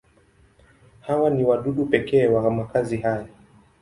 Hawa ni wadudu pekee wa makazi haya.